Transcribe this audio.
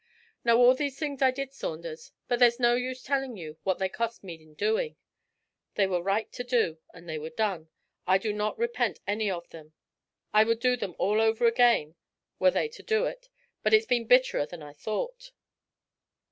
'Now all these things I did, Saunders, but there's no use telling you what they cost in the doing. They were right to do, and they were done. I do not repent any of them. I would do them all over again were they to do, but it's been bitterer than I thought.'